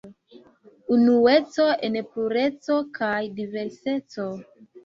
Unueco en plureco kaj diverseco.